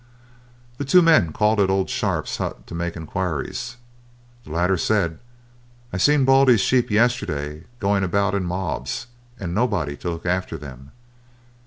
The two men called at old Sharp's hut to make enquiries. The latter said, "I seen Baldy's sheep yesterday going about in mobs, and nobody to look after them."